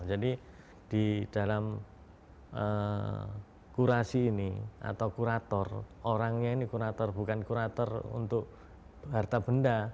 jadi di dalam kurasi ini atau kurator orangnya ini kurator bukan kurator untuk harta benda